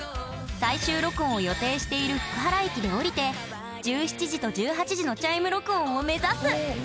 最終録音を予定している福原駅で降りて１７時と１８時のチャイム録音を目指す！